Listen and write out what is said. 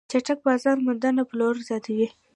چټک بازار موندنه پلور زیاتوي.